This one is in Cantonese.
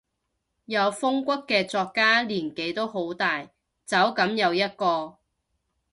有風骨嘅作家年紀都好大，走噉又一個